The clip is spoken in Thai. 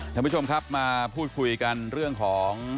ท่านผู้ชมครับมาพูดคุยกันเรื่องของ